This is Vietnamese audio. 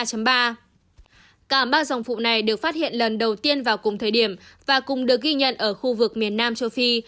cả ba dòng phụ này được phát hiện lần đầu tiên vào cùng thời điểm và cùng được ghi nhận ở khu vực miền nam châu phi